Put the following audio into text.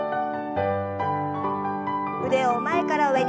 腕を前から上に。